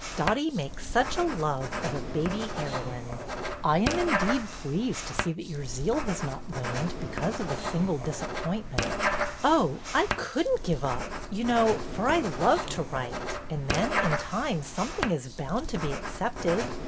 Dottie makes such a love of a baby heroine." '' I am indeed pleased to see that your zeal has not waned because of a single disappointment." Oh, I could n't give up, you know, for I love to write, and then in time something is bound to be accepted."